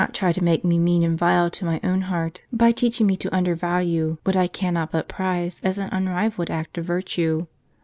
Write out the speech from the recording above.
try to make iiie mean and vile to my own heart, by teaching me to imdervakie what I cannot but prize as an unrivalled act of virtue.